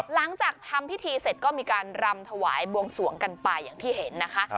หลังจากทำพิธีเสร็จก็มีการรำถวายบวงสวงกันไปอย่างที่เห็นนะคะ